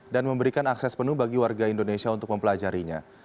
memberikan akses penuh bagi warga indonesia untuk mempelajarinya